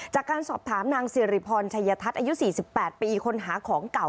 จากการสอบถามนางสิริพรชัยทัศน์อายุ๔๘ปีคนหาของเก่า